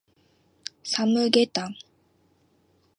サムゲタン